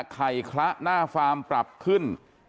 คละหน้าฟาร์มปรับขึ้น